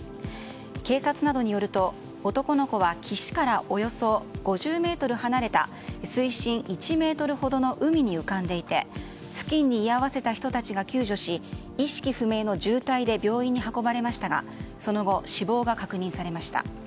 警察などによると、男の子は岸からおよそ５０ｍ離れた水深１ｍほどの海に浮かんでいて付近に居合わせた人たちが救助し意識不明の重体で病院に運ばれましたがその後、死亡が確認されました。